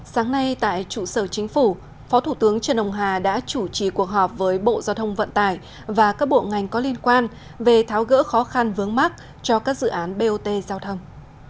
sáng nay tại trụ sở chính phủ phó thủ tướng trần ông hà đã chủ trì cuộc họp với bộ giao thông vận tải và các bộ ngành có liên quan về tháo gỡ khó khăn vướng mắt cho các dự án bot giao thông